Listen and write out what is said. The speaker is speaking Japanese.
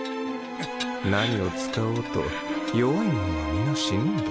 何を使おうと弱いものは皆死ぬんだ。